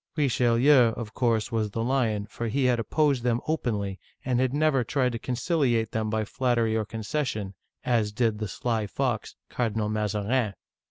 Richelieu, of course, was the lion, for he had opposed them openly, and had never tried to conciliate them by flat tery or concession, as did the sly fox, Cardinal Mazarin